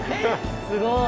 すごい。